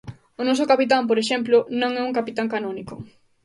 O noso capitán, por exemplo, non é un capitán canónico.